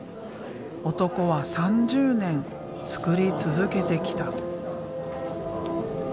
男は３０年つくり続けてきた。